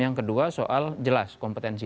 yang kedua soal jelas kompetensi